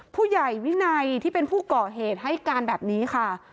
ผู้ใหญ่วินัยที่เป็นผู้ก่อเหตุให้การแบบนี้ค่ะ